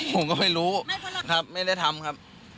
ผมก็ไม่รู้ครับไม่ได้ทำครับ